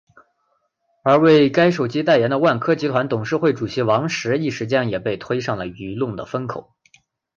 而为该手机代言的万科集团董事会主席王石一时间也被推上了舆论的风口。